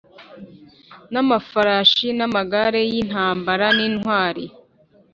N amafarashi n amagare y intambara n intwari